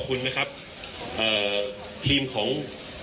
คุณผู้ชมไปฟังผู้ว่ารัฐกาลจังหวัดเชียงรายแถลงตอนนี้ค่ะ